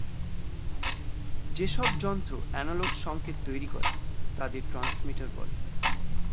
যেসব যন্ত্র অ্যানালগ সংকেত তৈরি করে তাদের ট্রান্সমিটার বলে।